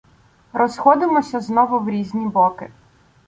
Розходимося знову в різні боки.